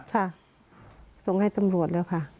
ค่ะส่งให้ตำรวจแล้วค่ะ